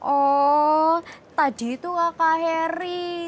oh tadi itu kakak heri